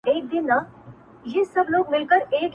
نه یو غزله جانانه سته زه به چیري ځمه-